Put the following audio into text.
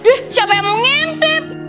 ih siapa yang mau ngintip